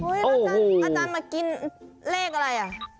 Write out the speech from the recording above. อาจารย์มากินเลขอะไรอ่ะ